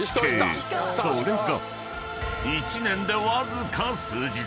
［それが］